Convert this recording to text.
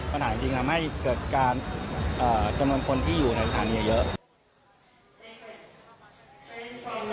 ปัญหาจริงทำให้เกิดการจำนวนคนที่อยู่ในสถานีเยอะ